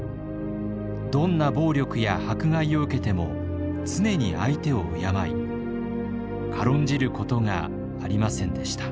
どんな暴力や迫害を受けても常に相手を敬い軽んじることがありませんでした。